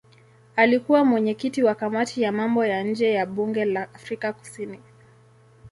Alikuwa mwenyekiti wa kamati ya mambo ya nje ya bunge la Afrika Kusini.